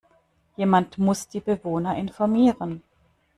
Jemand muss die Bewohner informieren.